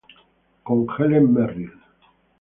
Con Helen Merrill